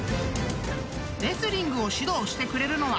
［レスリングを指導してくれるのは］